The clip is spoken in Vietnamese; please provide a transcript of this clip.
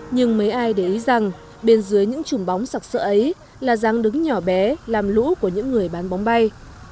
nhưng mấy ai để ý rằng bên dưới những chùm bóng sặc sỡ ấy là giáng đứng nhỏ bé làm lũ của những người bán bóng bay